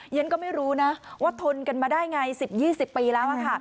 ฉันก็ไม่รู้นะว่าทนกันมาได้ไง๑๐๒๐ปีแล้วค่ะ